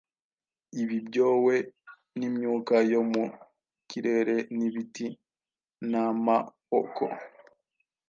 Ibi byoe ni Imyuka yo mu kirere, nibiti, namaoko,